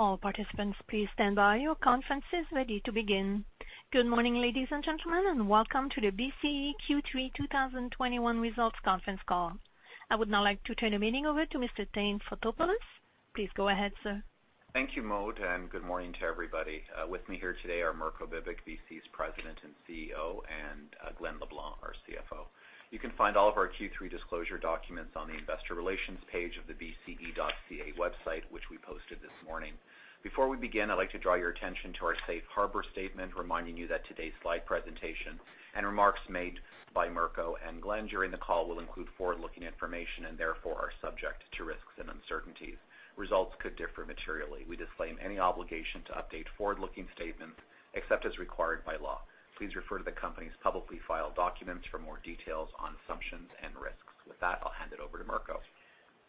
Good morning, ladies and gentlemen, and welcome to the BCE Q3 2021 Results Conference Call. I would now like to turn the meeting over to Mr. Thane Fotopoulos. Please go ahead, sir. Thank you, Mo, and good morning to everybody. With me here today are Mirko Bibic, BCE's President and CEO, and Glen LeBlanc, our CFO. You can find all of our Q3 disclosure documents on the investor relations page of the bce.ca website, which we posted this morning. Before we begin, I'd like to draw your attention to our safe harbor statement, reminding you that today's slide presentation and remarks made by Mirko and Glen during the call will include forward-looking information and therefore are subject to risks and uncertainties. Results could differ materially. We disclaim any obligation to update forward-looking statements except as required by law. Please refer to the company's publicly filed documents for more details on assumptions and risks. With that, I'll hand it over to Mirko.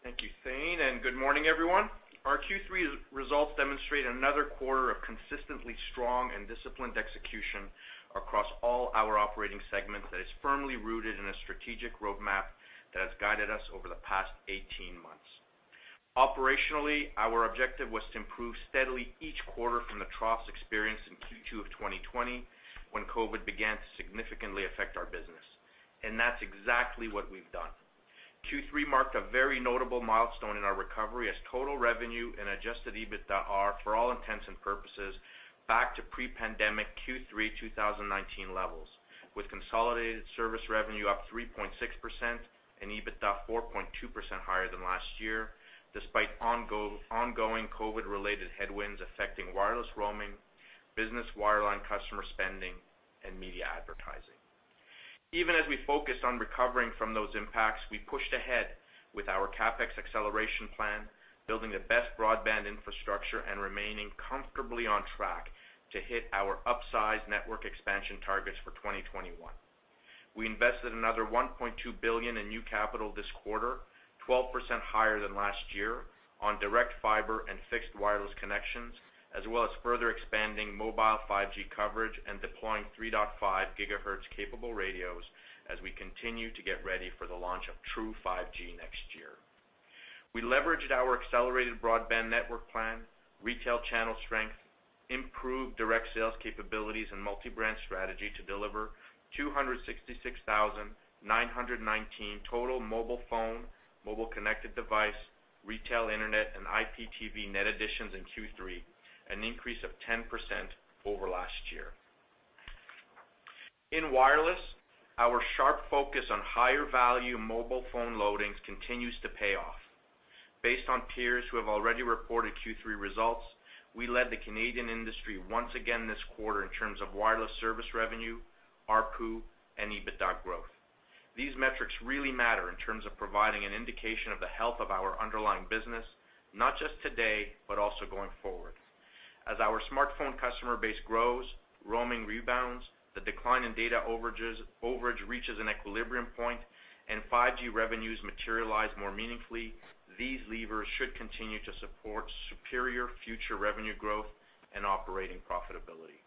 Thank you, Thane, and good morning, everyone. Our Q3 results demonstrate another quarter of consistently strong and disciplined execution across all our operating segments that is firmly rooted in a strategic roadmap that has guided us over the past 18 months. Operationally, our objective was to improve steadily each quarter from the troughs experienced in Q2 of 2020 when COVID began to significantly affect our business, and that's exactly what we've done. Q3 marked a very notable milestone in our recovery as total revenue and adjusted EBITDA are, for all intents and purposes, back to pre-pandemic Q3 2019 levels, with consolidated service revenue up 3.6% and EBITDA 4.2% higher than last year, despite ongoing COVID-related headwinds affecting wireless roaming, business wireline customer spending, and media advertising. Even as we focus on recovering from those impacts, we pushed ahead with our CapEx acceleration plan, building the best broadband infrastructure and remaining comfortably on track to hit our upsized network expansion targets for 2021. We invested another 1.2 billion in new capital this quarter, 12% higher than last year, on direct fiber and fixed wireless connections, as well as further expanding mobile 5G coverage and deploying 3.5 gigahertz capable radios as we continue to get ready for the launch of true 5G next year. We leveraged our accelerated broadband network plan, retail channel strength, improved direct sales capabilities, and multi-brand strategy to deliver 266,919 total mobile phone, mobile connected device, retail internet, and IPTV net additions in Q3, an increase of 10% over last year. In wireless, our sharp focus on higher value mobile phone loadings continues to pay off. Based on peers who have already reported Q3 results, we led the Canadian industry once again this quarter in terms of wireless service revenue, ARPU, and EBITDA growth. These metrics really matter in terms of providing an indication of the health of our underlying business, not just today, but also going forward. As our smartphone customer base grows, roaming rebounds, the decline in data overage reaches an equilibrium point, and 5G revenues materialize more meaningfully, these levers should continue to support superior future revenue growth and operating profitability.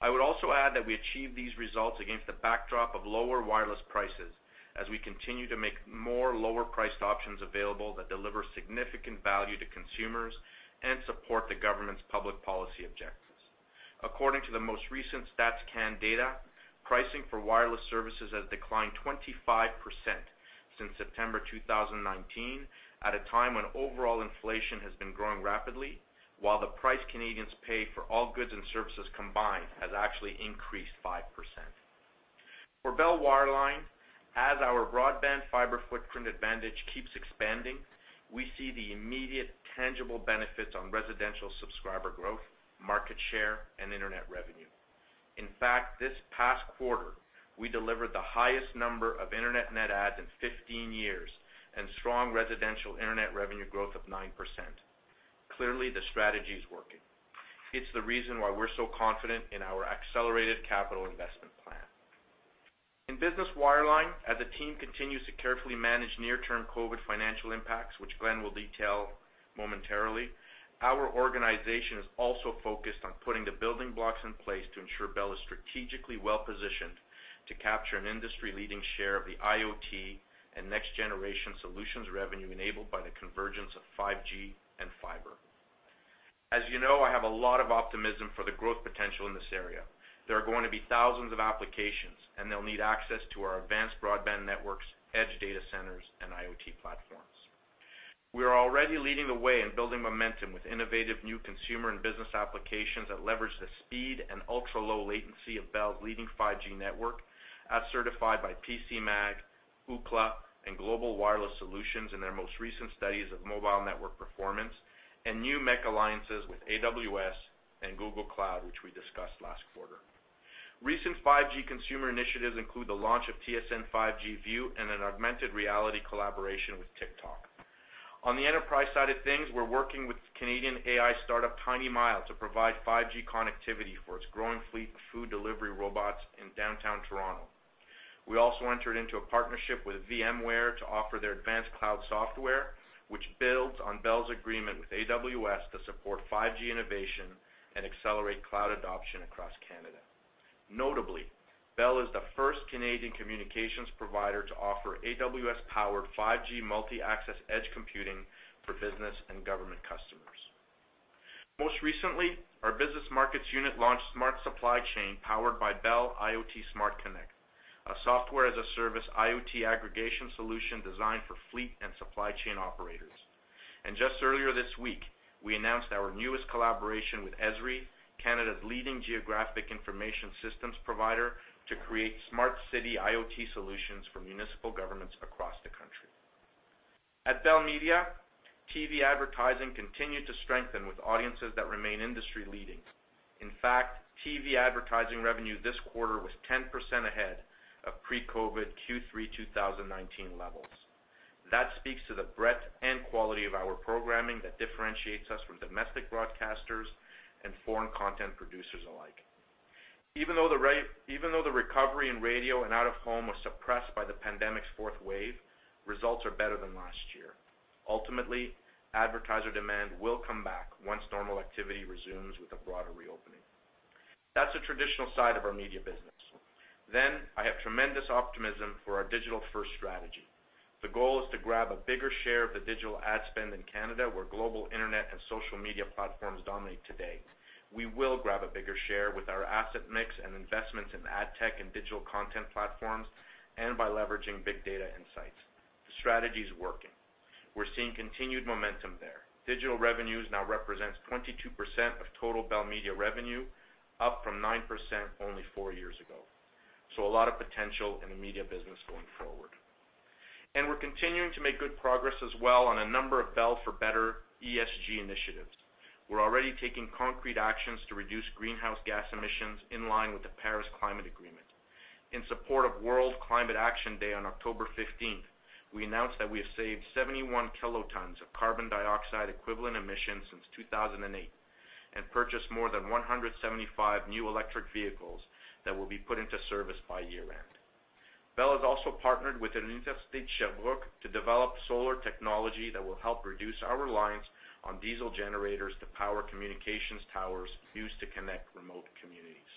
I would also add that we achieve these results against the backdrop of lower wireless prices as we continue to make more lower-priced options available that deliver significant value to consumers and support the government's public policy objectives. According to the most recent Stats Can data, pricing for wireless services has declined 25% since September 2019, at a time when overall inflation has been growing rapidly, while the price Canadians pay for all goods and services combined has actually increased 5%. For Bell wireline, as our broadband fiber footprint advantage keeps expanding, we see the immediate tangible benefits on residential subscriber growth, market share, and internet revenue. In fact, this past quarter, we delivered the highest number of internet net adds in 15 years and strong residential internet revenue growth of 9%. Clearly, the strategy is working. It's the reason why we're so confident in our accelerated capital investment plan. In business wireline, as the team continues to carefully manage near-term COVID financial impacts, which Glen will detail momentarily, our organization is also focused on putting the building blocks in place to ensure Bell is strategically well-positioned to capture an industry-leading share of the IoT and next-generation solutions revenue enabled by the convergence of 5G and fiber. As you know, I have a lot of optimism for the growth potential in this area. There are going to be thousands of applications, and they'll need access to our advanced broadband networks, edge data centers, and IoT platforms. We are already leading the way in building momentum with innovative new consumer and business applications that leverage the speed and ultra-low latency of Bell's leading 5G network, as certified by PCMag, Ookla, and Global Wireless Solutions in their most recent studies of mobile network performance and new MEC alliances with AWS and Google Cloud, which we discussed last quarter. Recent 5G consumer initiatives include the launch of TSN 5G View and an augmented reality collaboration with TikTok. On the enterprise side of things, we're working with Canadian AI startup Tiny Mile to provide 5G connectivity for its growing fleet of food delivery robots in downtown Toronto. We also entered into a partnership with VMware to offer their advanced cloud software, which builds on Bell's agreement with AWS to support 5G innovation and accelerate cloud adoption across Canada. Notably, Bell is the first Canadian communications provider to offer AWS-powered 5G multi-access edge computing for business and government customers. Most recently, our business markets unit launched Smart Supply Chain, powered by Bell IoT Smart Connect, a software-as-a-service IoT aggregation solution designed for fleet and supply chain operators. Just earlier this week, we announced our newest collaboration with Esri, Canada's leading geographic information systems provider, to create smart city IoT solutions for municipal governments across the country. At Bell Media, TV advertising continued to strengthen with audiences that remain industry-leading. In fact, TV advertising revenue this quarter was 10% ahead of pre-COVID Q3 2019 levels. That speaks to the breadth and quality of our programming that differentiates us from domestic broadcasters and foreign content producers alike. Even though the recovery in radio and out-of-home was suppressed by the pandemic's fourth wave, results are better than last year. Ultimately, advertiser demand will come back once normal activity resumes with a broader reopening. That's the traditional side of our media business. I have tremendous optimism for our digital-first strategy. The goal is to grab a bigger share of the digital ad spend in Canada, where global internet and social media platforms dominate today. We will grab a bigger share with our asset mix and investments in ad tech and digital content platforms, and by leveraging big data insights. The strategy is working. We're seeing continued momentum there. Digital revenues now represents 22% of total Bell Media revenue, up from 9% only four years ago. A lot of potential in the media business going forward. We're continuing to make good progress as well on a number of Bell for Better ESG initiatives. We're already taking concrete actions to reduce greenhouse gas emissions in line with the Paris Agreement. In support of World Climate Action Day on October 15th, we announced that we have saved 71 kilotons of carbon dioxide equivalent emissions since 2008 and purchased more than 175 new electric vehicles that will be put into service by year-end. Bell has also partnered with Université de Sherbrooke to develop solar technology that will help reduce our reliance on diesel generators to power communications towers used to connect remote communities.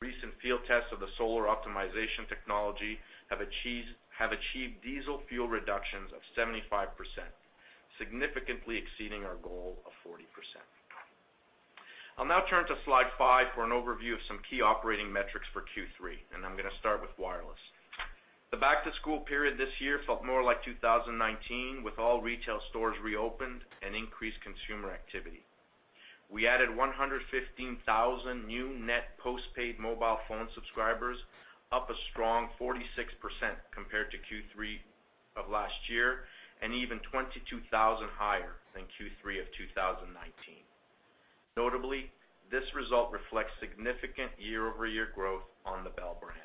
Recent field tests of the solar optimization technology have achieved diesel fuel reductions of 75%, significantly exceeding our goal of 40%. I'll now turn to slide five for an overview of some key operating metrics for Q3, and I'm gonna start with wireless. The back-to-school period this year felt more like 2019, with all retail stores reopened and increased consumer activity. We added 115,000 new net postpaid mobile phone subscribers, up a strong 46% compared to Q3 of last year, and even 22,000 higher than Q3 of 2019. Notably, this result reflects significant year-over-year growth on the Bell brand.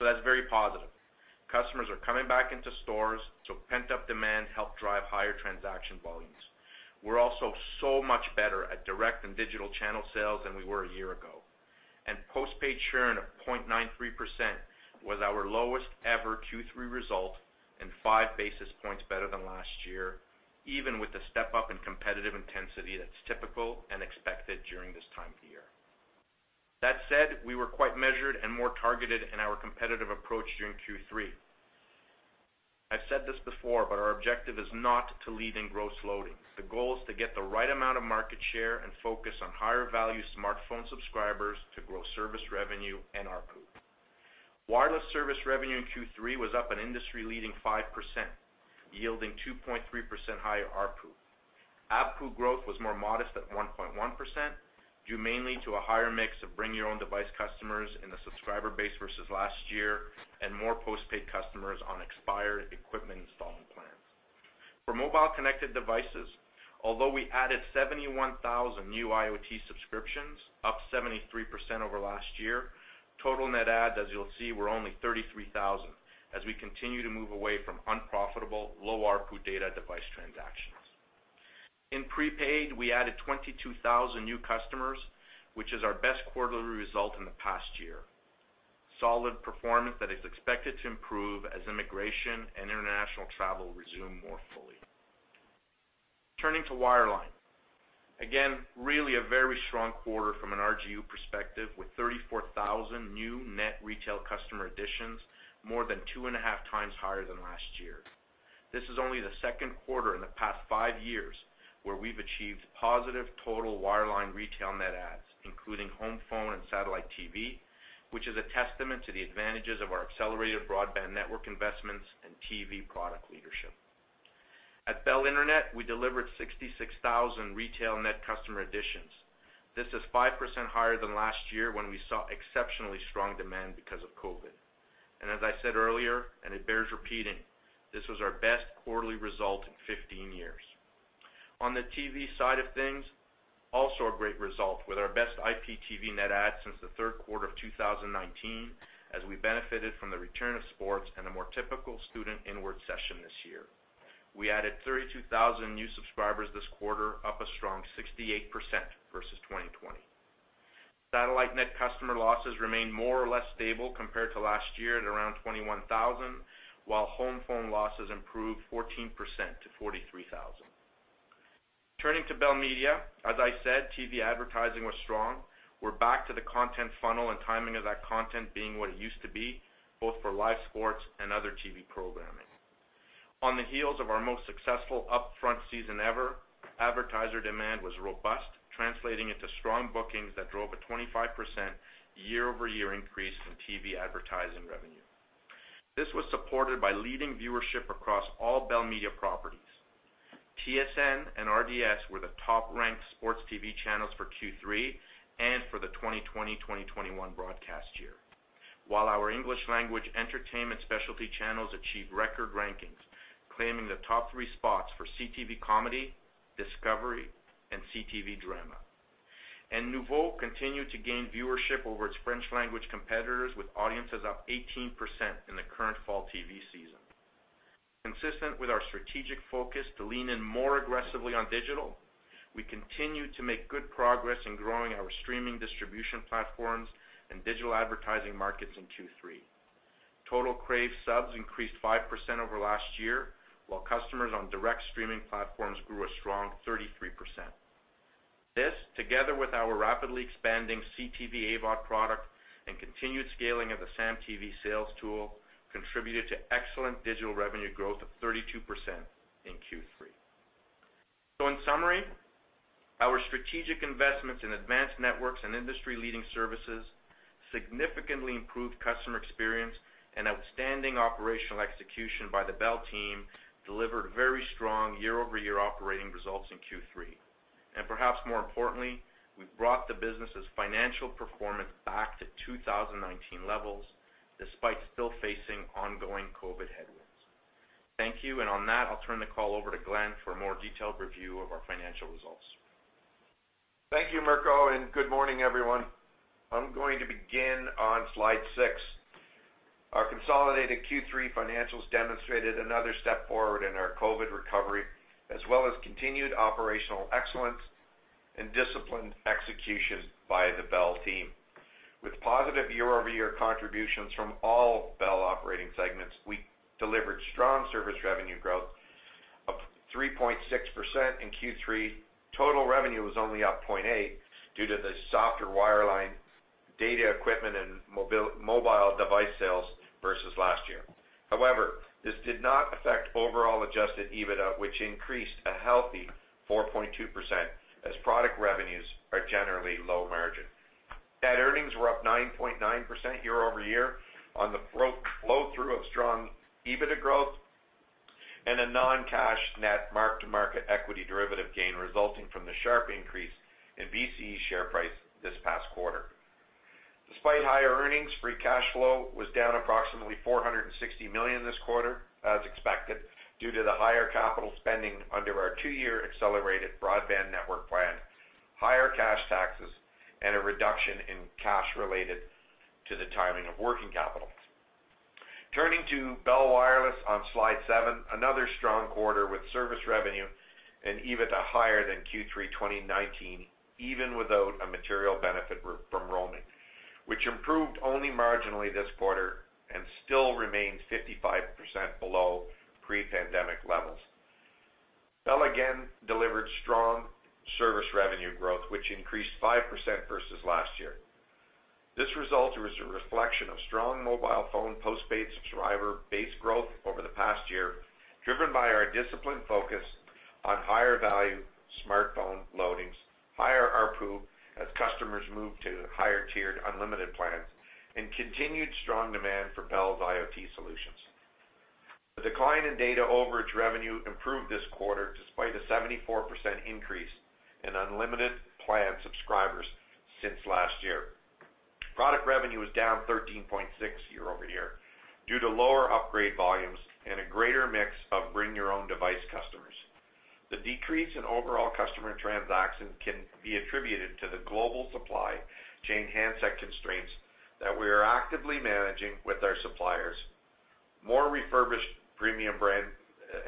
That's very positive. Customers are coming back into stores, so pent-up demand helped drive higher transaction volumes. We're also so much better at direct and digital channel sales than we were a year ago. Postpaid churn of 0.93% was our lowest ever Q3 result and five basis points better than last year, even with the step-up in competitive intensity that's typical and expected during this time of the year. That said, we were quite measured and more targeted in our competitive approach during Q3. I've said this before, but our objective is not to lead in gross loadings. The goal is to get the right amount of market share and focus on higher-value smartphone subscribers to grow service revenue and ARPU. Wireless service revenue in Q3 was up an industry-leading 5%, yielding 2.3% higher ARPU. ARPU growth was more modest at 1.1%, due mainly to a higher mix of bring your own device customers in the subscriber base versus last year and more postpaid customers on expired equipment installment plans. For mobile connected devices, although we added 71,000 new IoT subscriptions, up 73% over last year, total net adds, as you'll see, were only 33,000 as we continue to move away from unprofitable, low ARPU data device transactions. In prepaid, we added 22,000 new customers, which is our best quarterly result in the past year. Solid performance that is expected to improve as immigration and international travel resume more fully. Turning to wireline. Again, really a very strong quarter from an RGU perspective with 34,000 new net retail customer additions, more than two and a half times higher than last year. This is only the second quarter in the past five years where we've achieved positive total wireline retail net adds, including home phone and satellite TV, which is a testament to the advantages of our accelerated broadband network investments and TV product leadership. At Bell Internet, we delivered 66,000 retail net customer additions. This is 5% higher than last year when we saw exceptionally strong demand because of COVID. As I said earlier, and it bears repeating, this was our best quarterly result in 15 years. On the TV side of things, also a great result with our best IPTV net add since the third quarter of 2019, as we benefited from the return of sports and a more typical student inward session this year. We added 32,000 new subscribers this quarter, up a strong 68% versus 2020. Satellite net customer losses remain more or less stable compared to last year at around 21,000, while home phone losses improved 14% to 43,000. Turning to Bell Media, as I said, TV advertising was strong. We're back to the content funnel and timing of that content being what it used to be, both for live sports and other TV programming. On the heels of our most successful upfront season ever, advertiser demand was robust, translating into strong bookings that drove a 25% year-over-year increase in TV advertising revenue. This was supported by leading viewership across all Bell Media properties. TSN and RDS were the top-ranked sports TV channels for Q3 and for the 2020-2021 broadcast year. While our English language entertainment specialty channels achieved record rankings, claiming the top three spots for CTV comedy, Discovery, and CTV drama. Noovo continued to gain viewership over its French language competitors, with audiences up 18% in the current fall TV season. Consistent with our strategic focus to lean in more aggressively on digital, we continued to make good progress in growing our streaming distribution platforms and digital advertising markets in Q3. Total Crave subs increased 5% over last year, while customers on direct streaming platforms grew a strong 33%. This, together with our rapidly expanding CTV AVOD product and continued scaling of the SAM TV sales tool, contributed to excellent digital revenue growth of 32% in Q3. In summary, our strategic investments in advanced networks and industry-leading services significantly improved customer experience, and outstanding operational execution by the Bell team delivered very strong year-over-year operating results in Q3. Perhaps more importantly, we've brought the business's financial performance back to 2019 levels despite still facing ongoing COVID headwinds. Thank you, and on that, I'll turn the call over to Glen for a more detailed review of our financial results. Thank you, Mirko, and good morning, everyone. I'm going to begin on slide six. Our consolidated Q3 financials demonstrated another step forward in our COVID recovery, as well as continued operational excellence and disciplined execution by the Bell team. With positive year-over-year contributions from all Bell operating segments, we delivered strong service revenue growth of 3.6% in Q3. Total revenue was only up 0.8% due to the softer wireline data equipment and mobile device sales versus last year. However, this did not affect overall adjusted EBITDA, which increased a healthy 4.2% as product revenues are generally low margin. Net earnings were up 9.9% year-over-year on the flow-through of strong EBITDA growth and a non-cash net mark-to-market equity derivative gain resulting from the sharp increase in BCE share price this past quarter. Despite higher earnings, free cash flow was down approximately 460 million this quarter, as expected, due to the higher capital spending under our two-year accelerated broadband network plan, higher cash taxes, and a reduction in cash related to the timing of working capital. Turning to Bell Wireless on slide seven, another strong quarter with service revenue and EBITDA higher than Q3 2019, even without a material benefit from roaming, which improved only marginally this quarter and still remains 55% below pre-pandemic levels. Bell again delivered strong service revenue growth, which increased 5% versus last year. This result was a reflection of strong mobile phone postpaid subscriber base growth over the past year, driven by our disciplined focus on higher value smartphone loadings, higher ARPU as customers move to higher-tiered unlimited plans, and continued strong demand for Bell's IoT solutions. The decline in data overage revenue improved this quarter despite a 74% increase in unlimited plan subscribers since last year. Product revenue was down 13.6% year-over-year due to lower upgrade volumes and a greater mix of bring your own device customers. The decrease in overall customer transactions can be attributed to the global supply chain handset constraints that we are actively managing with our suppliers. More refurbished premium brand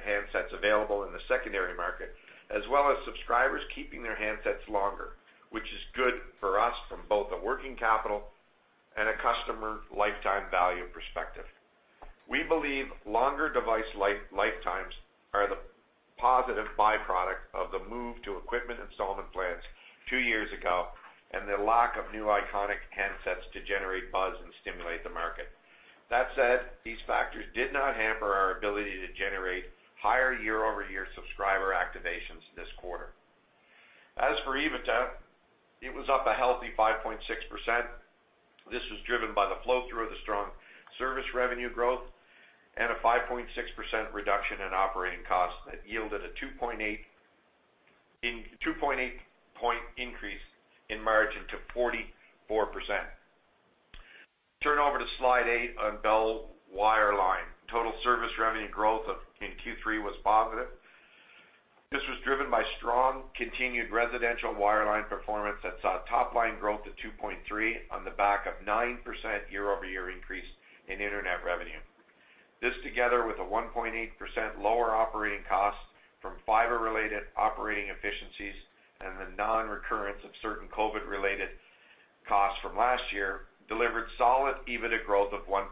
handsets available in the secondary market, as well as subscribers keeping their handsets longer, which is good for us from both a working capital and a customer lifetime value perspective. We believe longer device lifetimes are the positive byproduct of the move to equipment installment plans two years ago and the lack of new iconic handsets to generate buzz and stimulate the market. That said, these factors did not hamper our ability to generate higher year-over-year subscriber activations this quarter. As for EBITDA, it was up a healthy 5.6%. This was driven by the flow-through of the strong service revenue growth and a 5.6% reduction in operating costs that yielded a 2.8-point increase in margin to 44%. Turn over to slide eight on Bell Wireline. Total service revenue growth in Q3 was positive. This was driven by strong continued residential wireline performance that saw top-line growth of 2.3% on the back of 9% year-over-year increase in internet revenue. This together with a 1.8% lower operating cost from fiber-related operating efficiencies and the non-recurrence of certain COVID-related costs from last year delivered solid EBITDA growth of 1%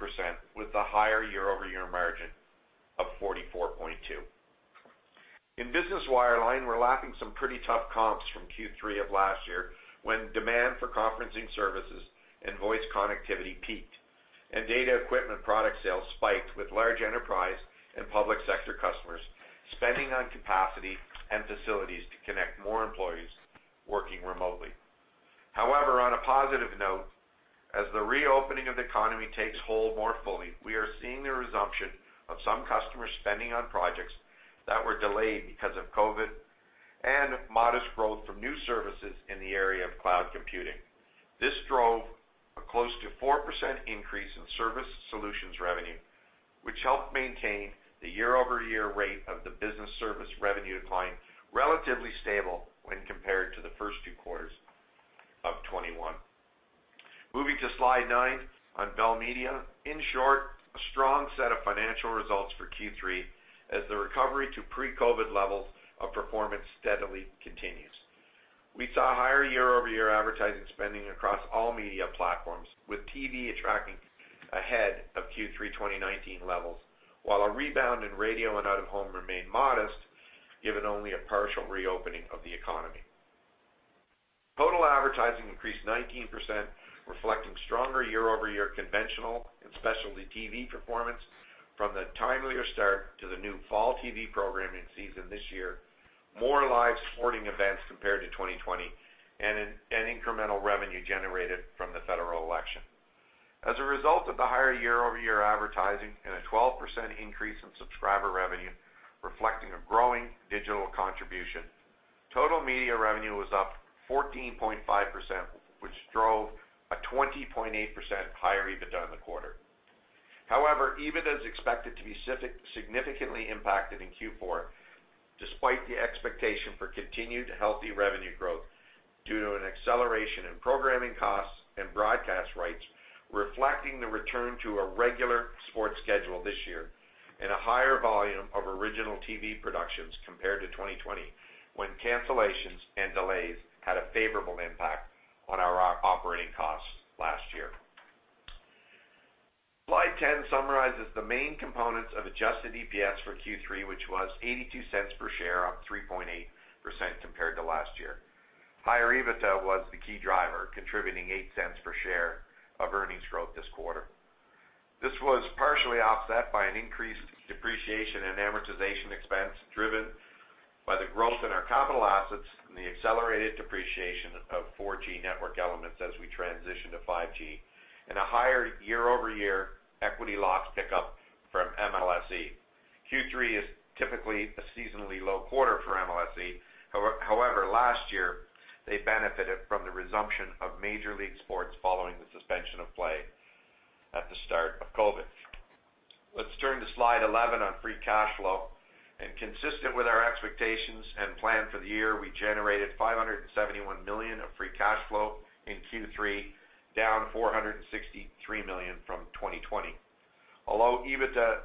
with a higher year-over-year margin of 44.2%. In business wireline, we're lapping some pretty tough comps from Q3 of last year when demand for conferencing services and voice connectivity peaked, and data equipment product sales spiked with large enterprise and public sector customers spending on capacity and facilities to connect more employees working remotely. However, on a positive note, as the reopening of the economy takes hold more fully, we are seeing the resumption of some customer spending on projects that were delayed because of COVID and modest growth from new services in the area of cloud computing. This drove a close to 4% increase in service solutions revenue, which helped maintain the year-over-year rate of the business service revenue decline relatively stable when compared to the first two quarters of '21. Moving to slide nine on Bell Media. In short, a strong set of financial results for Q3 as the recovery to pre-COVID levels of performance steadily continues. We saw higher year-over-year advertising spending across all media platforms, with TV attracting ahead of Q3 2019 levels, while a rebound in radio and out-of-home remained modest, given only a partial reopening of the economy. Total advertising increased 19%, reflecting stronger year-over-year conventional and specialty TV performance from the timelier start to the new fall TV programming season this year, more live sporting events compared to 2020, and incremental revenue generated from the federal election. As a result of the higher year-over-year advertising and a 12% increase in subscriber revenue reflecting a growing digital contribution, total media revenue was up 14.5%, which drove a 20.8% higher EBITDA in the quarter. However, EBITDA is expected to be significantly impacted in Q4 despite the expectation for continued healthy revenue growth due to an acceleration in programming costs and broadcast rights, reflecting the return to a regular sports schedule this year and a higher volume of original TV productions compared to 2020, when cancellations and delays had a favorable impact on our operating costs last year. Slide 10 summarizes the main components of adjusted EPS for Q3, which was 0.82 per share, up 3.8% compared to last year. Higher EBITDA was the key driver, contributing 0.08 per share of earnings growth this quarter. This was partially offset by an increased depreciation and amortization expense, driven by the growth in our capital assets and the accelerated depreciation of 4G network elements as we transition to 5G, and a higher year-over-year equity loss pickup from MLSE. Q3 is typically a seasonally low quarter for MLSE. However, last year, they benefited from the resumption of major league sports following the suspension of play at the start of COVID. Let's turn to slide 11 on free cash flow. Consistent with our expectations and plan for the year, we generated 571 million of free cash flow in Q3, down 463 million from 2020. Although EBITDA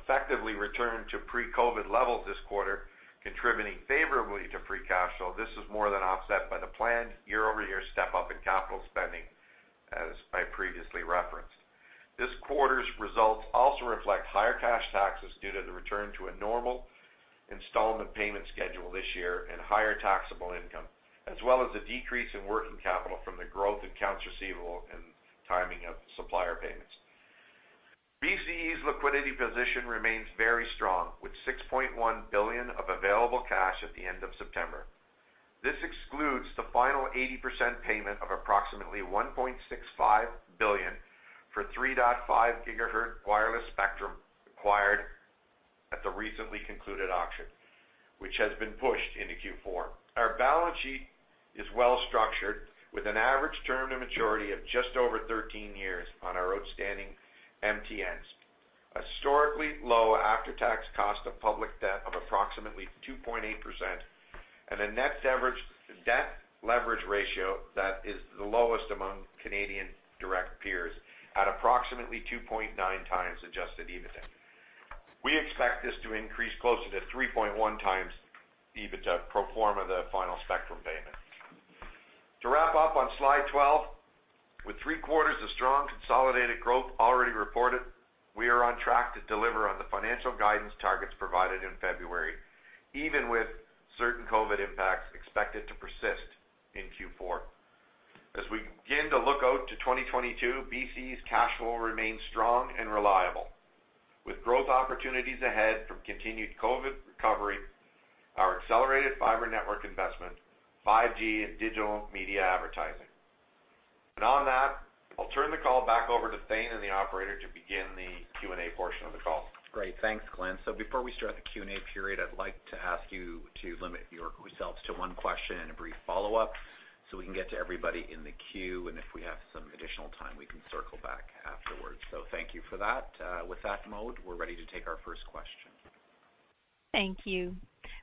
effectively returned to pre-COVID levels this quarter, contributing favorably to free cash flow, this is more than offset by the planned year-over-year step-up in capital spending, as I previously referenced. This quarter's results also reflect higher cash taxes due to the return to a normal installment payment schedule this year and higher taxable income, as well as a decrease in working capital from the growth in accounts receivable and timing of supplier payments. BCE's liquidity position remains very strong, with 6.1 billion of available cash at the end of September. This excludes the final 80% payment of approximately 1.65 billion for 3.5 GHz wireless spectrum acquired at the recently concluded auction, which has been pushed into Q4. Our balance sheet is well structured, with an average term to maturity of just over 13 years on our outstanding MTNs, historically low after-tax cost of public debt of approximately 2.8%, and a net debt leverage ratio that is the lowest among Canadian direct peers at approximately 2.9 times adjusted EBITDA. We expect this to increase closer to 3.1 times EBITDA pro forma the final spectrum payment. To wrap up on slide 12, with three-quarters of strong consolidated growth already reported, we are on track to deliver on the financial guidance targets provided in February, even with certain COVID impacts expected to persist in Q4. As we begin to look out to 2022, BCE's cash flow remains strong and reliable, with growth opportunities ahead from continued COVID recovery, our accelerated fiber network investment, 5G, and digital media advertising. On that, I'll turn the call back over to Thane and the operator to begin the Q&A portion of the call. Great. Thanks, Glen. Before we start the Q&A period, I'd like to ask you to limit yourselves to one question and a brief follow-up so we can get to everybody in the queue. If we have some additional time, we can circle back afterwards. Thank you for that. With that mode, we're ready to take our first question. Thank you.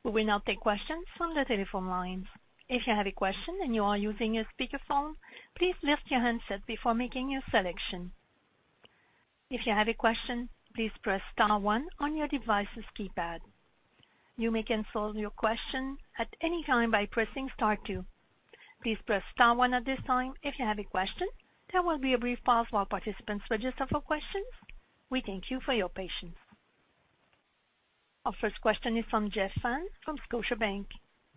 We will now take questions from the telephone lines. If you have a question and you are using a speakerphone, please lift your handset before making your selection. If you have a question, please press star one on your device's keypad. You may cancel your question at any time by pressing star two. Please press star one at this time if you have a question. There will be a brief pause while participants register for questions. We thank you for your patience. Our first question is from Jeff Fan from Scotiabank.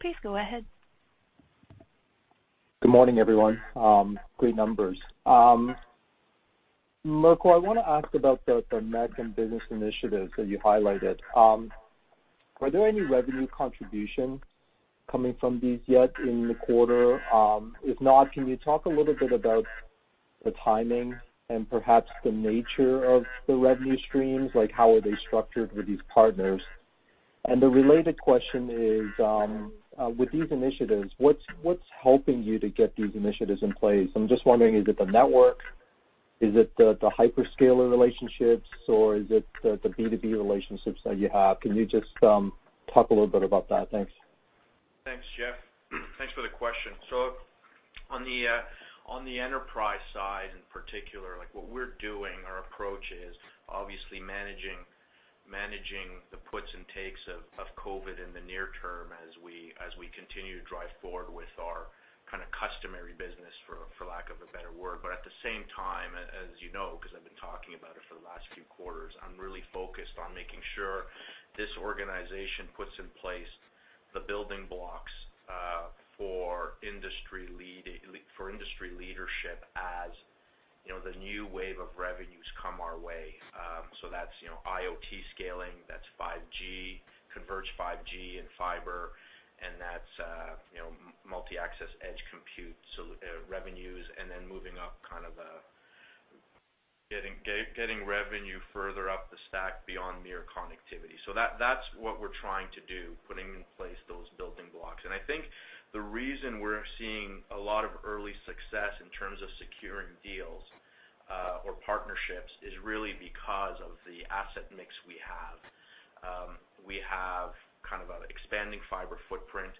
Please go ahead. Good morning, everyone. Great numbers. Mirko, I wanna ask about the MEC and business initiatives that you highlighted. Were there any revenue contributions coming from these yet in the quarter? If not, can you talk a little bit about the timing and perhaps the nature of the revenue streams? Like, how are they structured with these partners? The related question is, with these initiatives, what's helping you to get these initiatives in place? I'm just wondering, is it the network? Is it the hyperscaler relationships, or is it the B2B relationships that you have? Can you just talk a little bit about that? Thanks. Thanks, Jeff. Thanks for the question. On the enterprise side, in particular, like what we're doing, our approach is obviously managing the puts and takes of COVID in the near term as we continue to drive forward with our kinda customary business, for lack of a better word. At the same time, as you know, 'cause I've been talking about it for the last few quarters, I'm really focused on making sure this organization puts in place the building blocks for industry leadership as, you know, the new wave of revenues come our way. That's, you know, IoT scaling, that's 5G, converged 5G and fiber, and that's, you know, multi-access edge compute revenues, and then moving up kind of, getting revenue further up the stack beyond mere connectivity. That, that's what we're trying to do, putting in place those building blocks. I think the reason we're seeing a lot of early success in terms of securing deals or partnerships is really because of the asset mix we have. We have kind of a expanding fiber footprint.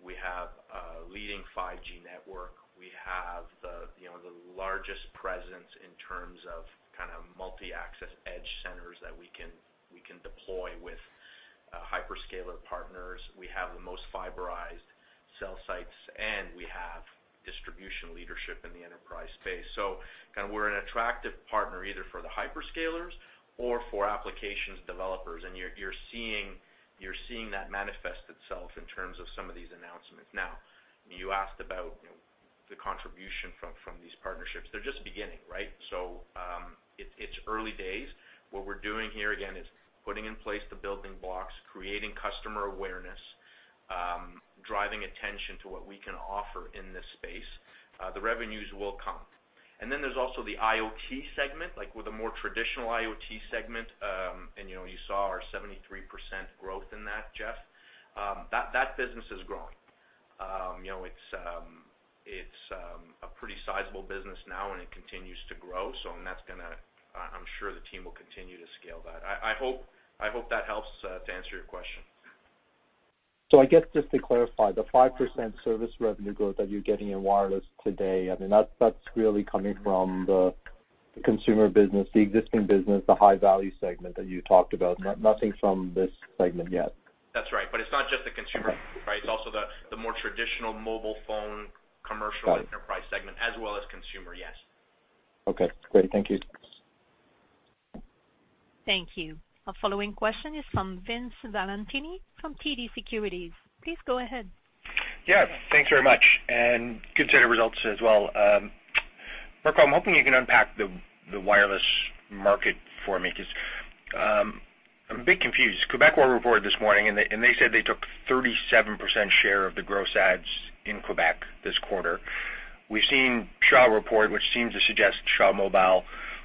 We have a leading 5G network. We have the, you know, the largest presence in terms of kinda multi-access edge centers that we can deploy with hyperscaler partners. We have the most fiberized cell sites, and we have distribution leadership in the enterprise space. Kinda we're an attractive partner either for the hyperscalers or for applications developers. You're seeing that manifest itself in terms of some of these announcements. Now you asked about, you know, the contribution from these partnerships. They're just beginning, right? It's early days. What we're doing here again is putting in place the building blocks, creating customer awareness, driving attention to what we can offer in this space. The revenues will come. Then there's also the IoT segment, like with the more traditional IoT segment, and, you know, you saw our 73% growth in that, Jeff. That business is growing. You know, it's a pretty sizable business now, and it continues to grow. That's gonna, I'm sure the team will continue to scale that. I hope that helps to answer your question. I guess just to clarify, the 5% service revenue growth that you're getting in wireless today, I mean, that's really coming from the consumer business, the existing business, the high-value segment that you talked about. Yeah. Nothing from this segment yet. That's right. It's not just the consumer, right? It's also the more traditional mobile phone commercial- Got it. Enterprise segment as well as consumer, yes. Okay. Great. Thank you. Thank you. Our following question is from Vince Valentini from TD Securities. Please go ahead. Yeah. Thanks very much, and good set of results as well. Mirko, I'm hoping you can unpack the wireless market for me because I'm a bit confused. Quebecor reported this morning, and they said they took 37% share of the gross adds in Quebec this quarter. We've seen Shaw report, which seems to suggest Shaw Mobile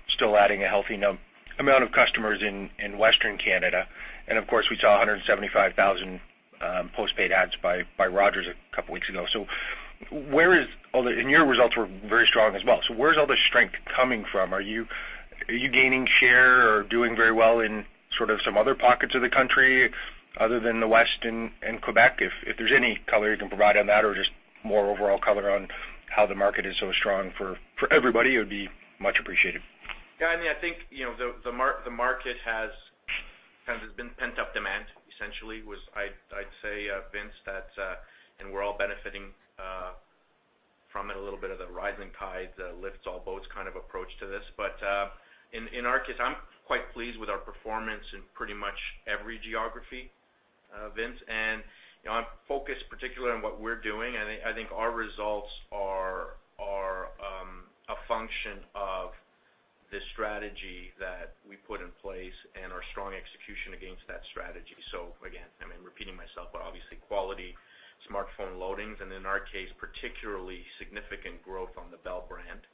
still adding a healthy amount of customers in Western Canada. Of course, we saw 175,000 postpaid adds by Rogers a couple weeks ago. Your results were very strong as well. Where is all the strength coming from? Are you gaining share or doing very well in sort of some other pockets of the country other than the West and Quebec? If there's any color you can provide on that or just more overall color on how the market is so strong for everybody, it would be much appreciated. Yeah, I mean, I think, you know, the market has kind of, there's been pent-up demand essentially. I'd say, Vince, that and we're all benefiting from it, a little bit of the rising tide lifts all boats kind of approach to this. In our case, I'm quite pleased with our performance in pretty much every geography, Vince. You know, I'm focused particularly on what we're doing. I think our results are a function of the strategy that we put in place and our strong execution against that strategy. Again, I mean, repeating myself, but obviously quality smartphone loadings and in our case, particularly significant growth on the Bell brand.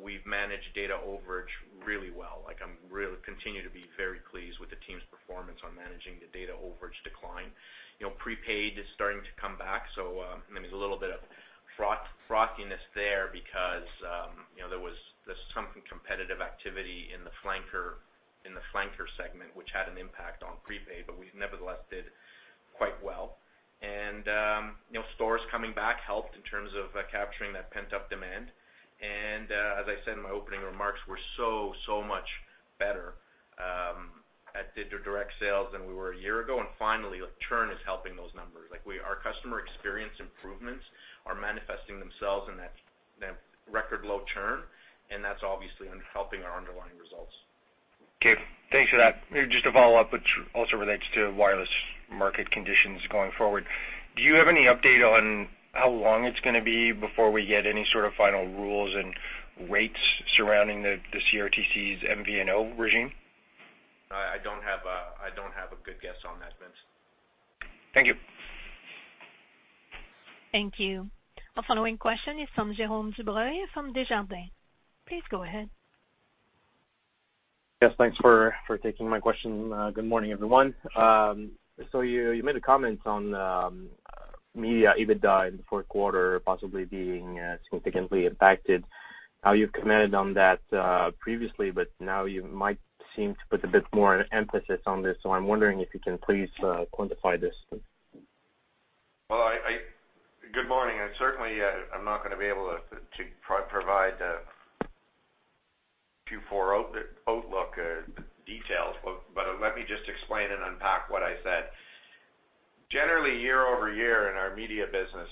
We've managed data overage really well. Like, I really continue to be very pleased with the team's performance on managing the data overage decline. You know, prepaid is starting to come back. I mean, there's a little bit of frothiness there because, you know, there's some competitive activity in the flanker segment, which had an impact on prepaid, but we nevertheless did quite well. You know, stores coming back helped in terms of capturing that pent-up demand. As I said in my opening remarks, we're so much better at digital direct sales than we were a year ago. Finally, like, churn is helping those numbers. Our customer experience improvements are manifesting themselves in that record low churn, and that's obviously helping our underlying results. Okay. Thanks for that. Just a follow-up which also relates to wireless market conditions going forward. Do you have any update on how long it's gonna be before we get any sort of final rules and rates surrounding the CRTC's MVNO regime? I don't have a good guess on that, Vince. Thank you. Thank you. Our following question is from Jérôme Dubreuil from Desjardins. Please go ahead. Yes, thanks for taking my question. Good morning, everyone. You made a comment on media EBITDA in the fourth quarter possibly being significantly impacted. Now you've commented on that previously, but now you might seem to put a bit more emphasis on this, so I'm wondering if you can please quantify this. Well, good morning, and certainly, I'm not gonna be able to provide the Q4 outlook details, but let me just explain and unpack what I said. Generally, year-over-year in our media business,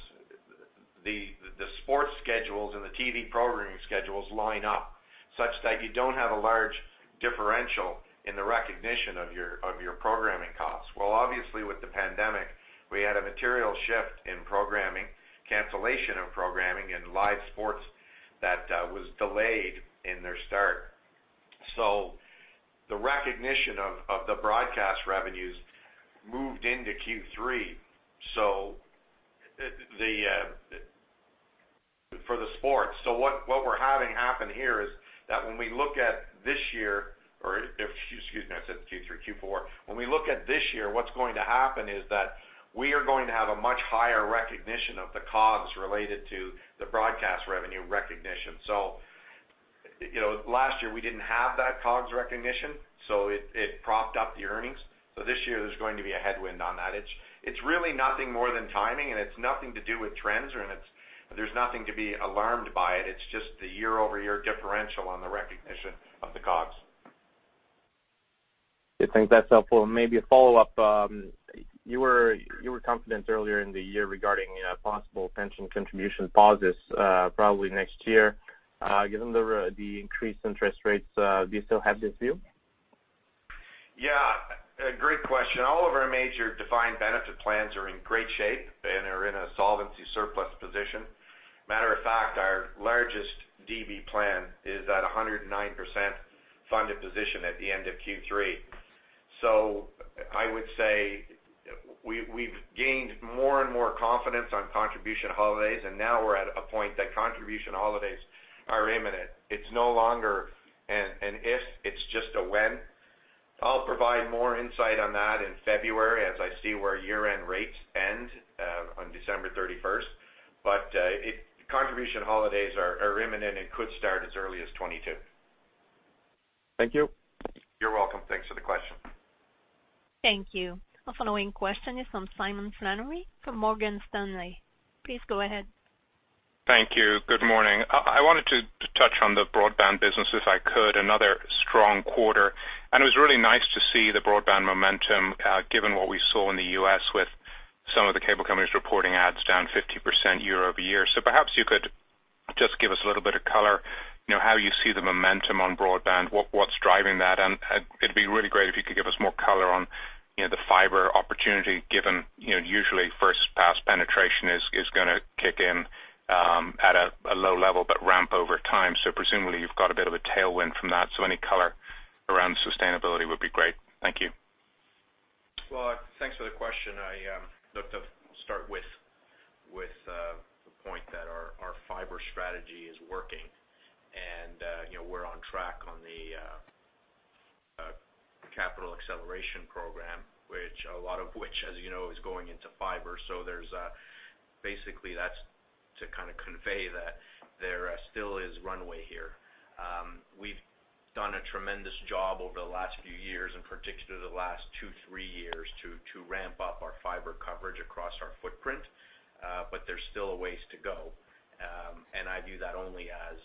the sports schedules and the TV programming schedules line up such that you don't have a large differential in the recognition of your programming costs. Well, obviously, with the pandemic, we had a material shift in programming, cancellation of programming and live sports that was delayed in their start. The recognition of the broadcast revenues moved into Q3 for the sports. What we're having happen here is that when we look at this year or, excuse me, I said Q3, Q4. When we look at this year, what's going to happen is that we are going to have a much higher recognition of the COGS related to the broadcast revenue recognition. You know, last year, we didn't have that COGS recognition, so it propped up the earnings. This year there's going to be a headwind on that. It's really nothing more than timing, and it's nothing to do with trends. There's nothing to be alarmed by it. It's just the year-over-year differential on the recognition of the COGS. I think that's helpful. Maybe a follow-up. You were confident earlier in the year regarding possible pension contribution pauses, probably next year. Given the increased interest rates, do you still have this view? Yeah, a great question. All of our major defined benefit plans are in great shape and are in a solvency surplus position. Matter of fact, our largest DB plan is at 109% funded position at the end of Q3. I would say we've gained more and more confidence on contribution holidays, and now we're at a point that contribution holidays are imminent. It's no longer an if, it's just a when. I'll provide more insight on that in February as I see where year-end rates end on December 31. Contribution holidays are imminent and could start as early as 2022. Thank you. You're welcome. Thanks for the question. Thank you. Our following question is from Simon Flannery from Morgan Stanley. Please go ahead. Thank you. Good morning. I wanted to touch on the broadband business if I could. Another strong quarter, and it was really nice to see the broadband momentum, given what we saw in the U.S. with some of the cable companies reporting adds down 50% year-over-year. Perhaps you could just give us a little bit of color, you know, how you see the momentum on broadband, what's driving that? It'd be really great if you could give us more color on, you know, the fiber opportunity given, you know, usually first pass penetration is gonna kick in, at a low level but ramp over time. Presumably, you've got a bit of a tailwind from that. Any color around sustainability would be great. Thank you. Well, thanks for the question. I look to start with the point that our fiber strategy is working. You know, we're on track on the capital acceleration program, which a lot of which, as you know, is going into fiber. There's basically that's to kinda convey that there still is runway here. We've done a tremendous job over the last few years, in particular the last two, three years to ramp up our fiber coverage across our footprint. There's still a ways to go. I view that only as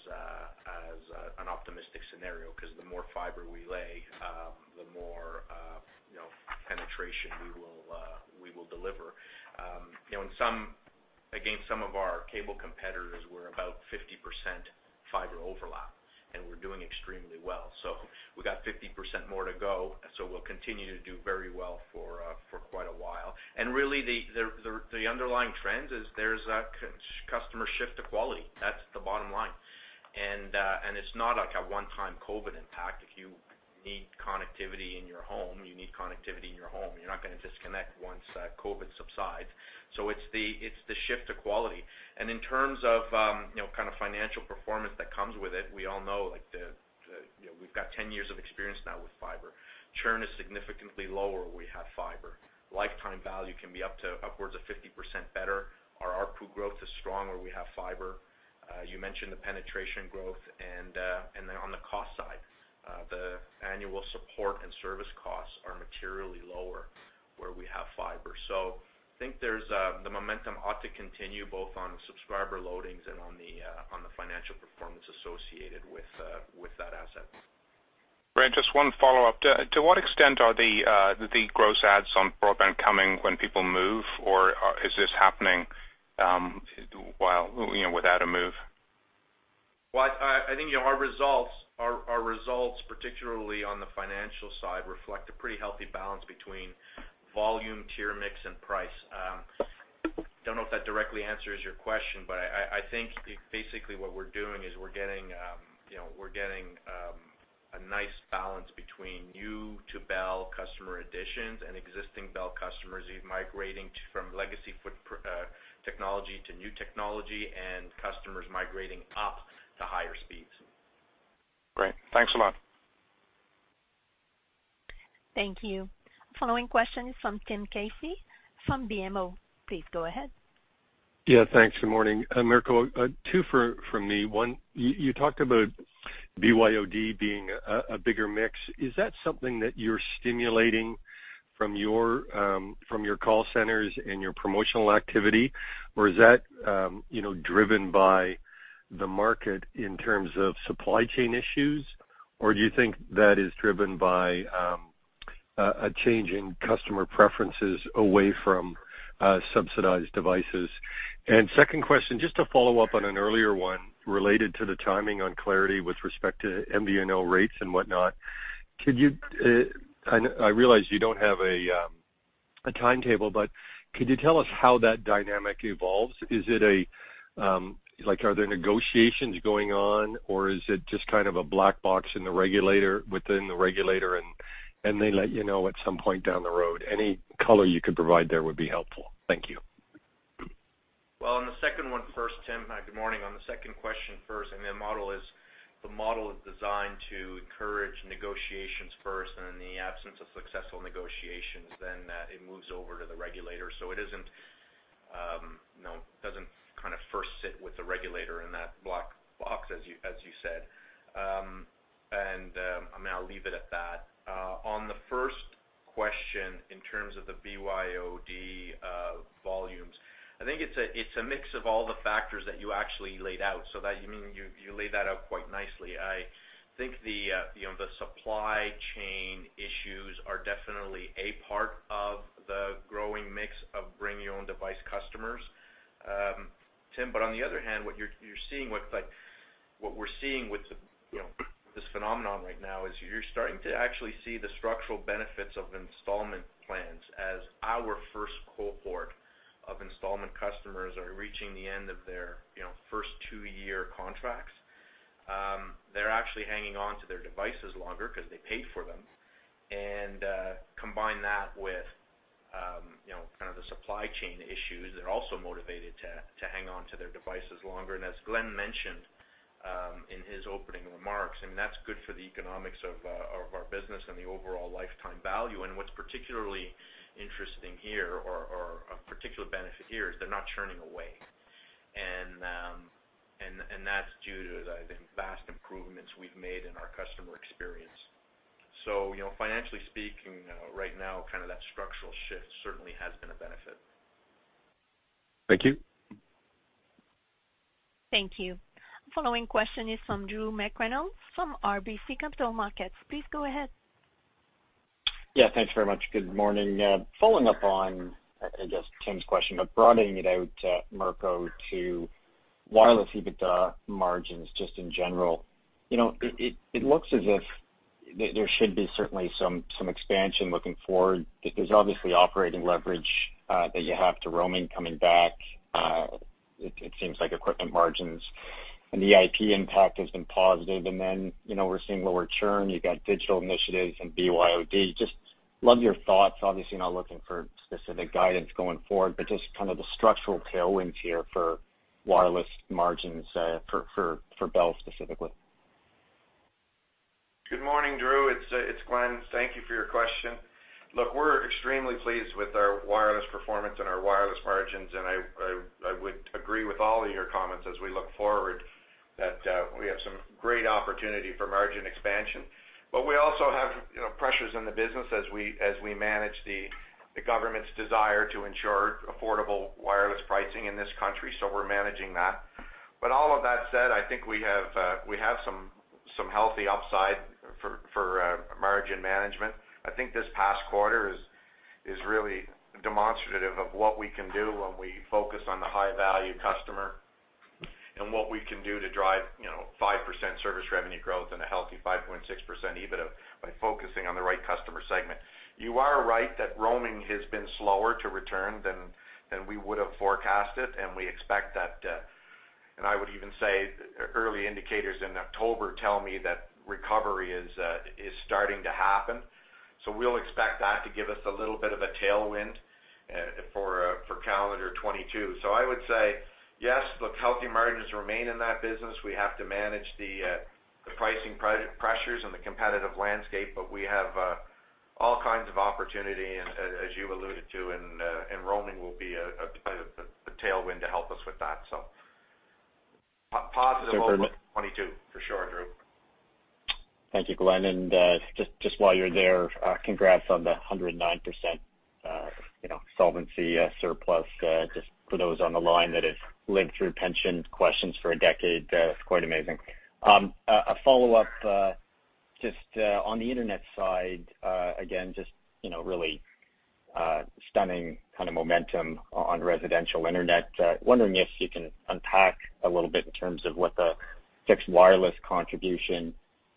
an optimistic scenario, 'cause the more fiber we lay, the more you know, penetration we will deliver. You know, some of our cable competitors were about 50% fiber overlap, and we're doing extremely well. We got 50% more to go, so we'll continue to do very well for quite a while. Really, the underlying trend is there's a customer shift to quality. That's the bottom line. It's not like a one-time COVID impact. If you need connectivity in your home, you need connectivity in your home. You're not gonna disconnect once COVID subsides. It's the shift to quality. In terms of you know, kind of financial performance that comes with it, we all know, like, you know, we've got 10 years of experience now with fiber. Churn is significantly lower where we have fiber. Lifetime value can be up to upwards of 50% better. Our ARPU growth is strong where we have fiber. You mentioned the penetration growth and then on the cost side, the annual support and service costs are materially lower where we have fiber. I think there's the momentum ought to continue both on the subscriber loadings and on the financial performance associated with that asset. Great. Just one follow-up. To what extent are the gross adds on broadband coming when people move, or is this happening while you know without a move? Well, I think, you know, our results, particularly on the financial side, reflect a pretty healthy balance between volume, tier mix, and price. I don't know if that directly answers your question, but I think basically what we're doing is we're getting, you know, a nice balance between new-to-Bell customer additions and existing Bell customers migrating from legacy technology to new technology and customers migrating up to higher speeds. Great. Thanks a lot. Thank you. Following question is from Tim Casey from BMO. Please go ahead. Yeah, thanks. Good morning. Mirko, two from me. One, you talked about BYOD being a bigger mix. Is that something that you're stimulating from your call centers and your promotional activity? Or is that, you know, driven by the market in terms of supply chain issues? Or do you think that is driven by a change in customer preferences away from subsidized devices? Second question, just to follow up on an earlier one related to the timing on clarity with respect to MVNO rates and whatnot. Could you, I realize you don't have a timetable, but could you tell us how that dynamic evolves? Is it like are there negotiations going on, or is it just kind of a black box within the regulator, and they let you know at some point down the road? Any color you could provide there would be helpful. Thank you. Well, on the second one first, Tim. Good morning. On the second question first, I mean, the model is designed to encourage negotiations first, and in the absence of successful negotiations, then that it moves over to the regulator. It isn't, you know, doesn't kind of first sit with the regulator in that black box, as you said. I'm gonna leave it at that. On the first question, in terms of the BYOD volumes, I think it's a mix of all the factors that you actually laid out, so you laid that out quite nicely. I think, you know, the supply chain issues are definitely a part of the growing mix of bring-your-own-device customers, Tim. On the other hand, what we're seeing with the, you know, this phenomenon right now is you're starting to actually see the structural benefits of installment plans as our first cohort of installment customers are reaching the end of their, you know, first two-year contracts. They're actually hanging on to their devices longer 'cause they paid for them. Combine that with, you know, kind of the supply chain issues. They're also motivated to hang on to their devices longer. As Glen mentioned in his opening remarks, I mean, that's good for the economics of our business and the overall lifetime value. What's particularly interesting here or a particular benefit here is they're not churning away. That's due to the vast improvements we've made in our customer experience. You know, financially speaking, right now, kind of that structural shift certainly has been a benefit. Thank you. Thank you. Following question is from Drew McReynolds from RBC Capital Markets. Please go ahead. Yeah, thanks very much. Good morning. Following up on, I guess Tim's question, but broadening it out, Mirko, to wireless EBITDA margins just in general. You know, it looks as if there should be certainly some expansion looking forward. There's obviously operating leverage due to roaming coming back. It seems like equipment margins and the EIP impact has been positive. Then, you know, we're seeing lower churn. You've got digital initiatives and BYOD. I'd love your thoughts. Obviously not looking for specific guidance going forward, but just kind of the structural tailwinds here for wireless margins for Bell specifically. Good morning, Drew. It's Glen. Thank you for your question. Look, we're extremely pleased with our wireless performance and our wireless margins, and I would agree with all of your comments as we look forward that we have some great opportunity for margin expansion. We also have, you know, pressures in the business as we manage the government's desire to ensure affordable wireless pricing in this country, so we're managing that. All of that said, I think we have some healthy upside for margin management. I think this past quarter is really demonstrative of what we can do when we focus on the high-value customer and what we can do to drive, you know, 5% service revenue growth and a healthy 5.6% EBITDA by focusing on the right customer segment. You are right that roaming has been slower to return than we would have forecasted, and we expect that, and I would even say early indicators in October tell me that recovery is starting to happen. We'll expect that to give us a little bit of a tailwind for calendar 2022. I would say yes, look, healthy margins remain in that business. We have to manage the pricing pressures and the competitive landscape, but we have all kinds of opportunity, and as you alluded to, and roaming will be the tailwind to help us with that. So for the- positive 2022 for sure, Drew. Thank you, Glen. Just while you're there, congrats on the 109%, you know, solvency surplus, just for those on the line that have lived through pension questions for a decade, it's quite amazing. A follow-up, just on the internet side, again, just, you know, really stunning kind of momentum on residential internet. Wondering if you can unpack a little bit in terms of what the fixed wireless contribution is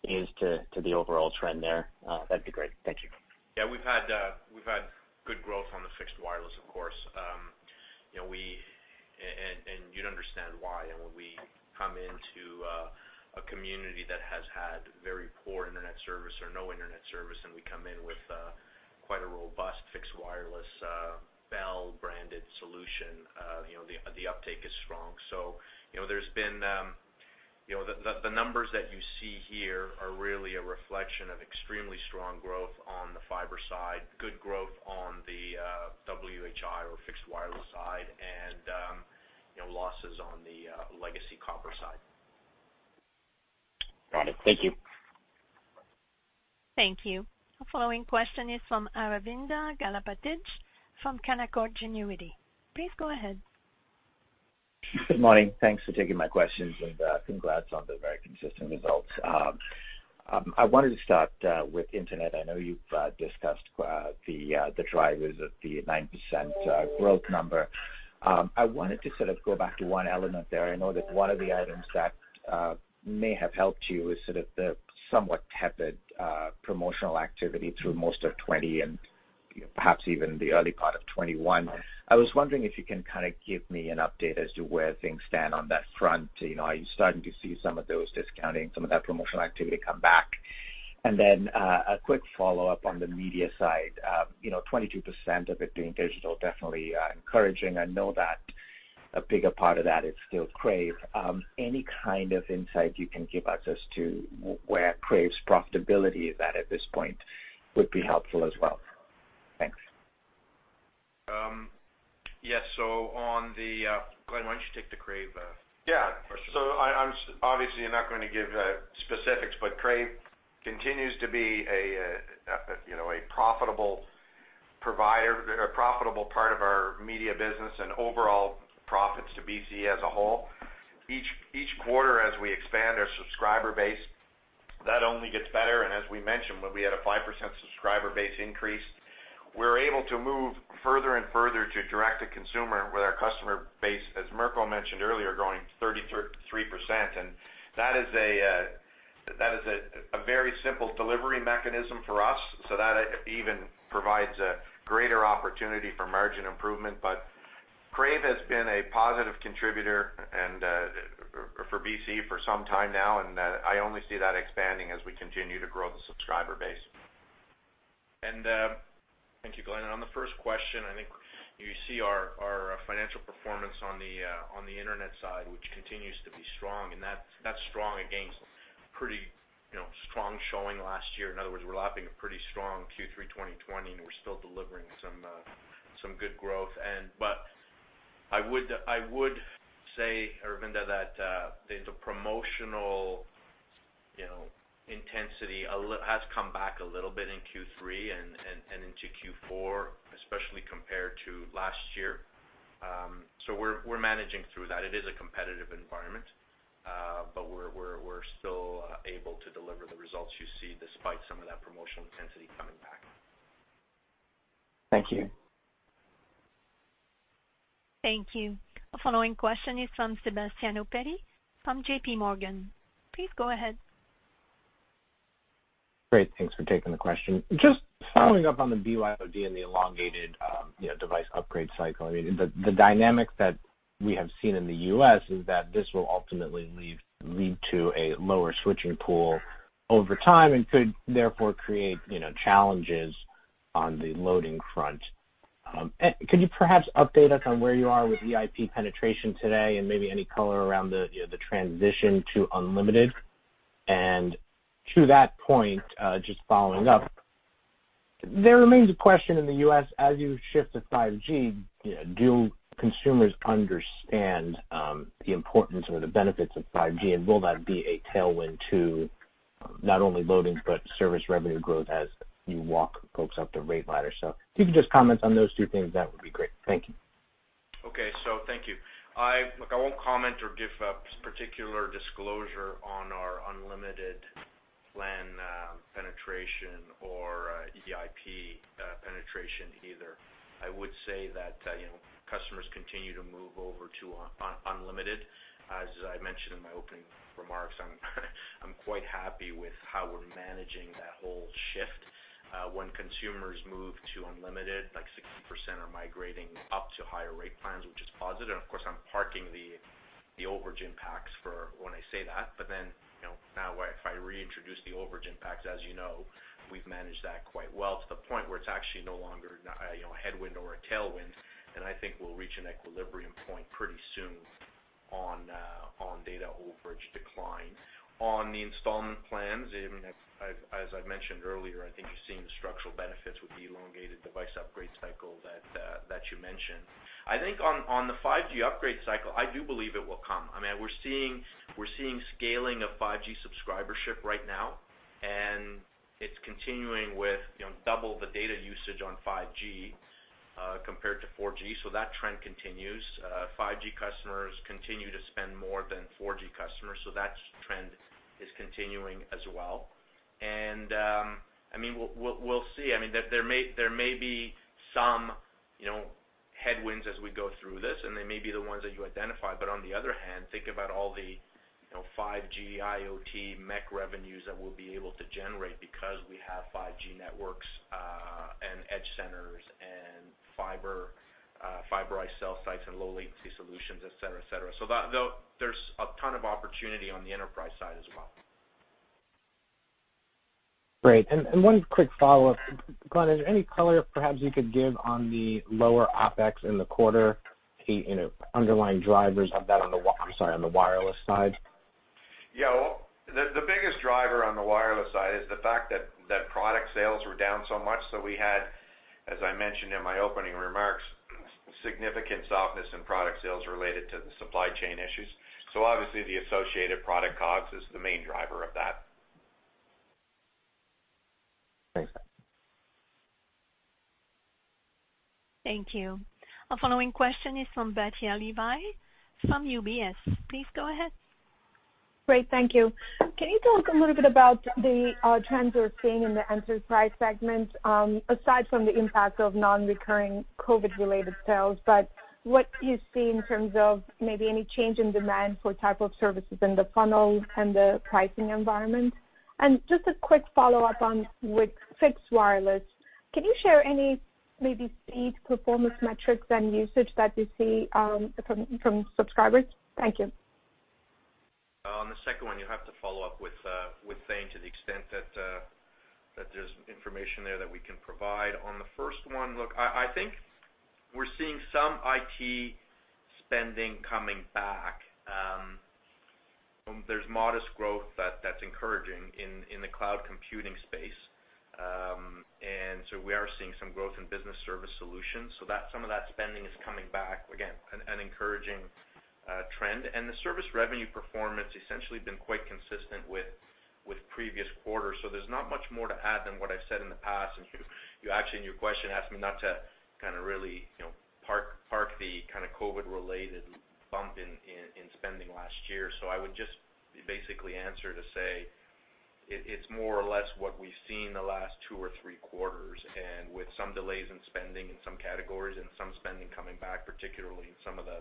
to the overall trend there. That'd be great. Thank you. Yeah. We've had good growth on the fixed wireless, of course. You know, you'd understand why. When we come into a community that has had very poor internet service or no internet service, and we come in with quite a robust fixed wireless Bell-branded solution, you know, the uptake is strong. You know, there's been you know, the numbers that you see here are really a reflection of extremely strong growth on the fiber side, good growth on the FWA or fixed wireless side and you know, losses on the legacy copper side. Got it. Thank you. Thank you. The following question is from Aravinda Galappatthige from Canaccord Genuity. Please go ahead. Good morning. Thanks for taking my questions, and, congrats on the very consistent results. I wanted to start with internet. I know you've discussed the drivers of the 9% growth number. I wanted to sort of go back to one element there. I know that one of the items that may have helped you is sort of the somewhat tepid promotional activity through most of 2020 and perhaps even the early part of 2021. I was wondering if you can kind of give me an update as to where things stand on that front. You know, are you starting to see some of those discounting, some of that promotional activity come back? And then, a quick follow-up on the media side. You know, 22% of it being digital, definitely, encouraging. I know that a bigger part of that is still Crave. Any kind of insight you can give us as to where Crave's profitability is at this point would be helpful as well. Thanks. Yes. On the, Glen, why don't you take the Crave Yeah. Question. I'm obviously not going to give specifics, but Crave continues to be a profitable provider, a profitable part of our media business and overall profits to BCE as a whole. Each quarter as we expand our subscriber base, that only gets better. As we mentioned, when we had a 5% subscriber base increase, we're able to move further and further to direct-to-consumer with our customer base, as Mirko mentioned earlier, growing 33%. That is a very simple delivery mechanism for us. That even provides a greater opportunity for margin improvement. Crave has been a positive contributor and for BCE for some time now, and I only see that expanding as we continue to grow the subscriber base. Thank you, Glen. On the first question, I think you see our financial performance on the internet side, which continues to be strong, and that's strong against pretty, you know, strong showing last year. In other words, we're lapping a pretty strong Q3 2020, and we're still delivering some good growth. But I would say, Aravinda, that the promotional, you know, intensity has come back a little bit in Q3 and into Q4, especially compared to last year. We're still able to deliver the results you see despite some of that promotional intensity coming back. Thank you. Thank you. The following question is from Sebastiano Petti from JPMorgan. Please go ahead. Great. Thanks for taking the question. Just following up on the BYOD and the elongated device upgrade cycle. I mean, the dynamics that we have seen in the U.S. is that this will ultimately lead to a lower switching pool over time and could therefore create challenges on the loading front. Could you perhaps update us on where you are with EIP penetration today and maybe any color around the transition to unlimited? And to that point, just following up, there remains a question in the U.S., as you shift to 5G, do consumers understand the importance or the benefits of 5G? And will that be a tailwind to not only loading but service revenue growth as you walk folks up the rate ladder? If you could just comment on those two things, that would be great. Thank you. Okay. Thank you. Look, I won't comment or give a particular disclosure on our unlimited plan, penetration or, EIP, penetration either. I would say that, you know, customers continue to move over to unlimited. As I mentioned in my opening remarks, I'm quite happy with how we're managing that whole shift. When consumers move to unlimited, like 60% are migrating up to higher rate plans, which is positive. Of course, I'm parking the overage impacts for when I say that, but then, you know, now if I reintroduce the overage impacts, as you know, we've managed that quite well to the point where it's actually no longer, you know, a headwind or a tailwind. I think we'll reach an equilibrium point pretty soon on data overage decline. On the installment plans, I mean, as I've mentioned earlier, I think you're seeing the structural benefits with the elongated device upgrade cycle that you mentioned. I think on the 5G upgrade cycle, I do believe it will come. I mean, we're seeing scaling of 5G subscribership right now, and it's continuing with, you know, double the data usage on 5G compared to 4G, so that trend continues. 5G customers continue to spend more than 4G customers, so that trend is continuing as well. I mean, we'll see. I mean, there may be some, you know, headwinds as we go through this, and they may be the ones that you identify, but on the other hand, think about all the, you know, 5G, IoT, MEC revenues that we'll be able to generate because we have 5G networks, and edge centers and fiberized cell sites and low latency solutions, et cetera. Though there's a ton of opportunity on the enterprise side as well. Great. One quick follow-up. Glen, is there any color perhaps you could give on the lower OpEx in the quarter, you know, underlying drivers of that on the wireless side? Yeah. Well, the biggest driver on the wireless side is the fact that product sales were down so much, so we had, as I mentioned in my opening remarks, significant softness in product sales related to the supply chain issues. Obviously the associated product COGS is the main driver of that. Thanks. Thank you. Our following question is from Batya Levi from UBS. Please go ahead. Great. Thank you. Can you talk a little bit about the trends you're seeing in the enterprise segment, aside from the impact of non-recurring COVID-related sales, but what you see in terms of maybe any change in demand for type of services in the funnels and the pricing environment? Just a quick follow-up on fixed wireless. Can you share any maybe speed performance metrics and usage that you see from subscribers? Thank you. On the second one, you'll have to follow up with Thane to the extent that there's information there that we can provide. On the first one, look, I think we're seeing some IT spending coming back. There's modest growth that's encouraging in the cloud computing space. We are seeing some growth in business service solutions. Some of that spending is coming back, again, an encouraging trend. The service revenue performance has essentially been quite consistent with previous quarters. There's not much more to add than what I've said in the past. You actually, in your question, asked me not to kind of really, you know, park the kind of COVID-related bump in spending last year. I would just basically answer to say it's more or less what we've seen the last two or three quarters, and with some delays in spending in some categories and some spending coming back, particularly in some of the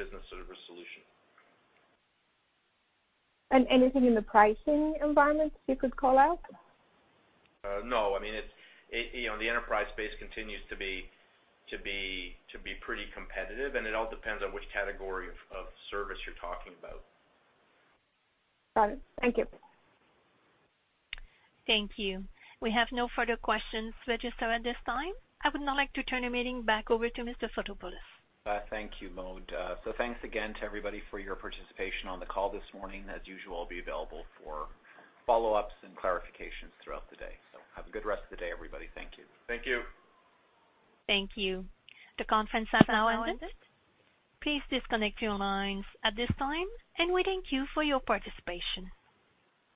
business service solution. Anything in the pricing environment you could call out? No. I mean, it, you know, the enterprise space continues to be pretty competitive, and it all depends on which category of service you're talking about. Got it. Thank you. Thank you. We have no further questions registered at this time. I would now like to turn the meeting back over to Mr. Fotopoulos. Thank you, Maude. Thanks again to everybody for your participation on the call this morning. As usual, I'll be available for follow-ups and clarifications throughout the day. Have a good rest of the day, everybody. Thank you. Thank you. Thank you. The conference has now ended. Please disconnect your lines at this time, and we thank you for your participation.